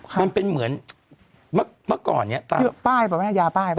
มันเป็นเหมือนเมื่อก่อนเนี่ยตามป้ายป่ะแม่ยาป้ายป